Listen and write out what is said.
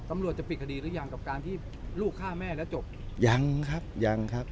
ตำรวจจะปิดคดีหรือยังกับการที่ลูกฆ่าแม่แล้วจบยังครับยังครับ